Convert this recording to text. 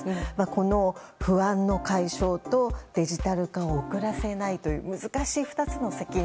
この不安の解消とデジタル化を遅らせないという難しい２つの責任。